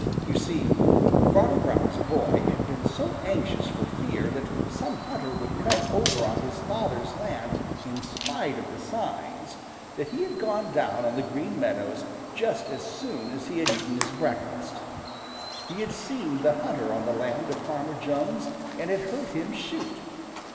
You see, Farmer Brown's boy had been so anxious for fear that some hunter would come over on his father's land in spite of the signs, that he had gone down on the Green Meadows just as soon as he had eaten his breakfast. He had seen the hunter on the land of Farmer Jones and had heard him shoot.